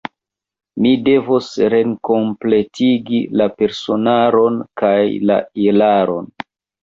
Mi devos rekompletigi la personaron kaj la ilaron.